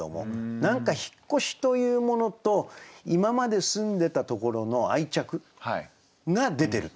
何か引越しというものと今まで住んでたところの愛着が出てると。